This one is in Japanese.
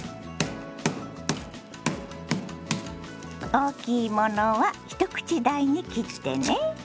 大きいものは一口大に切ってね。